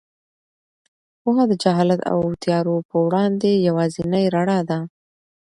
پوهه د جهالت او تیارو په وړاندې یوازینۍ رڼا ده.